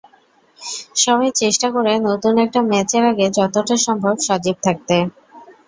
সবাই চেষ্টা করে নতুন একটা ম্যাচের আগে যতটা সম্ভব সজীব থাকতে।